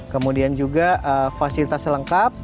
kemudian juga fasilitas lengkap